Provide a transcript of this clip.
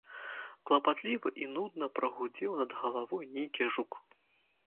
Клапатліва і нудна прагудзеў над галавой нейкі жук.